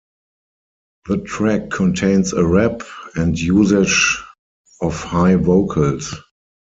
The track contains a rap and usage of high vocals.